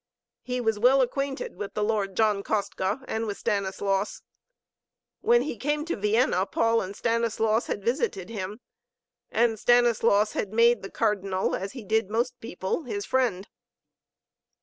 He was well acquainted with the Lord John Kostka and with Stanislaus. When he came to Vienna, Paul and Stanislaus had visited him, and Stanislaus had made the Cardinal, as he did most people, his friend.